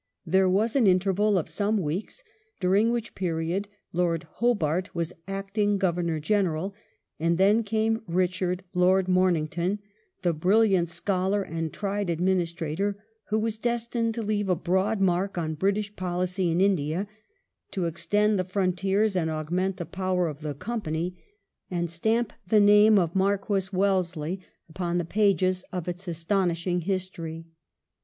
There was an interval of some weeks, during which period Lord Hobart was acting Governor General, and then came Eichard, Lord Mornington, the brilliant scholar and tried administrator, who was destined to leave a broad mark on British policy in India, to extend the frontiers and augment the power of the Company, and stamp the name of Marquess Wel lesley upon the pages of its astonishing history.